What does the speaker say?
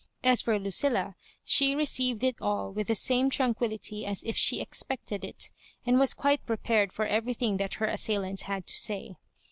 As for Lucilla, she received it all with the same tranquillity as if she expected it, and was quite prepared for everything that her assailant had to say.